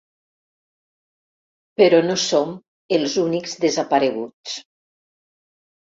Però no som els únics desapareguts.